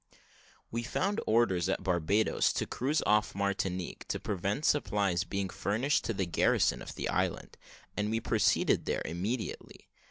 We found orders at Barbadoes to cruise off Martinique, to prevent supplies being furnished to the garrison of the island, and we proceeded there immediately.